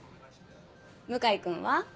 向井君は？